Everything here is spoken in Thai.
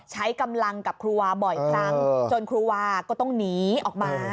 ใช้กำลังกับครูวาบ่อยครั้งจนครูวาก็ต้องหนีออกมา